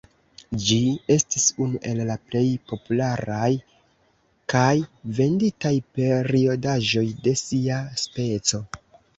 Ĝi estis unu el la plej popularaj kaj venditaj periodaĵoj de sia speco.